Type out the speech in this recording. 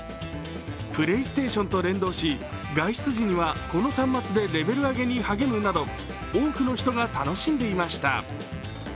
プレイステーションと連動し、外出時にはこの端末でレベル上げに励むなど多くの人が楽しんでいました。